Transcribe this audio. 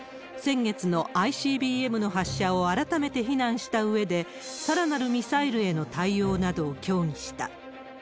先月のＩＣＢＭの発射を改めて非難したうえで、さらなるミサイルへの対応などを協議した。